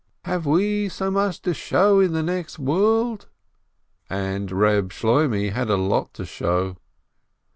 Have we so much to show in the next world ?" And Ifeb Shloimeh had a lot to show.